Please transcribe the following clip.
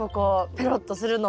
ペロッとするの。